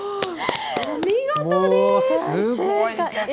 お見事です。